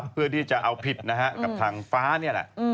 เพื่อที่จะเอาผิดกับทางฟ้านี่